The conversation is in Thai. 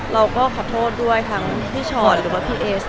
เราก็ขอโทษด้วยทั้งพี่ชอตหรือว่าพี่เอส